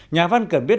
nhà văn cần biết